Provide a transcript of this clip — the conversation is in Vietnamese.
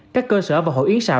các cơ sở và hội yến xào